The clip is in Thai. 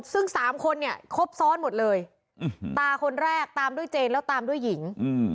ซึ่ง๓คนเนี่ยครบซ้อนหมดเลยตาคนแรกตามด้วยเจนแล้วตามด้วยหญิง